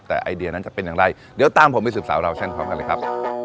แต่ไอเดียนั้นจะเป็นอย่างไรเดี๋ยวตามผมไปสืบสาวเราเช่นพร้อมกันเลยครับ